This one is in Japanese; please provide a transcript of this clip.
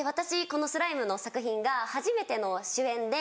この『スライム』の作品が初めての主演で。